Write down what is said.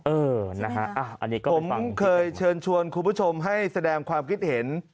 อื้อนะฮะอันนี้ก็ไปฟังที่ต่อไปนะครับ๋ผมเคยเชิญชวนครูผู้ชมให้แสดงความคิดเห็น